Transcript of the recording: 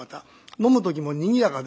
飲む時もにぎやかで。